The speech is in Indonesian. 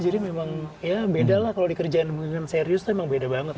jadi memang ya beda lah kalau dikerjain dengan serius itu memang beda banget